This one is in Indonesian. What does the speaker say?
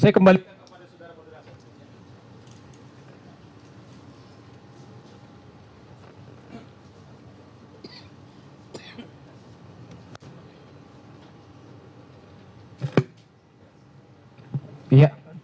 saya kembalikan kepada saudara saudara